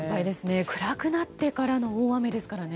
暗くなってからの大雨ですからね。